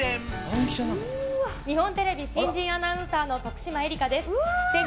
日本テレビ新人アナウンサーの徳島えりかです。